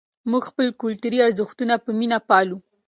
موږ خپل کلتوري ارزښتونه په مینه پالو.